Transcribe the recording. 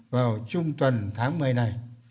vào trung tuần tháng một mươi này